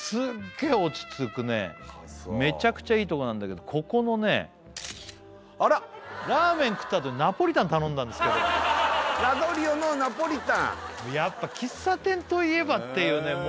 めちゃくちゃいいとこなんだけどここのねあらっラーメン食ったあとにナポリタン頼んだんですけどラドリオのナポリタンやっぱ喫茶店といえばっていうね